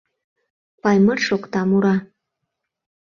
Паймыр шокта, мура.